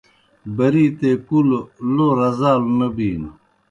بَرِیتے کُلوْ لو رزالوْ نہ بِینو۔